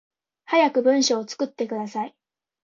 早く文章作ってください